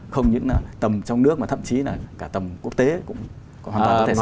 không những là tầm trong nước mà thậm chí là cả tầm quốc tế cũng hoàn toàn có thể xảy ra